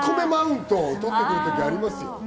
ツッコミマウントを取ってくるときありますよ。